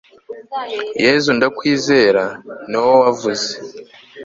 yezu ndakwizera, ni wowe wavuze